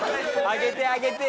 「上げてあげて」